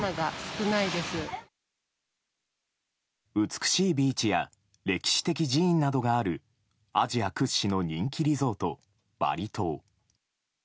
美しいビーチや歴史的寺院などがあるアジア屈指の人気リゾートバリ島。